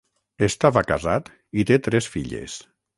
Estava casat i té tres filles.